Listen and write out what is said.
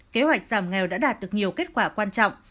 kế hoạch giảm nghèo đã đạt được nhiều kết quả quan trọng